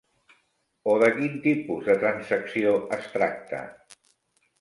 O de quin tipus de transacció es tracta?